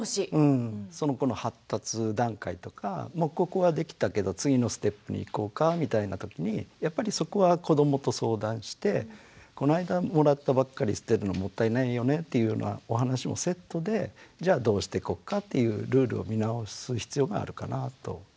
その子の発達段階とかもうここはできたけど次のステップにいこうかみたいな時にやっぱりそこは子どもと相談してこの間もらったばっかり捨てるのもったいないよねっていうようなお話もセットでじゃあどうしてこっかっていうルールを見直す必要があるかなと。